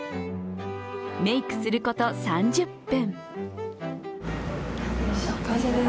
メークすること３０分。